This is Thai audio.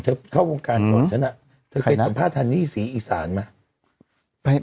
เข้าวงการก่อนฉันเธอเคยสัมภาษณ์ฮันนี่ศรีอีสานไหม